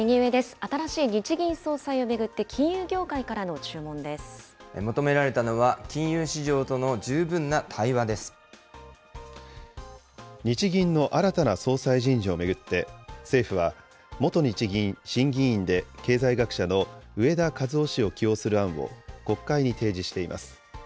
新しい日銀総裁を巡って、金融業求められたのは、金融市場と日銀の新たな総裁人事を巡って、政府は元日銀審議委員で経済学者の植田和男氏を起用する案を国会に提示しています。